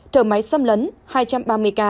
thở máy xâm lấn hai trăm ba mươi ca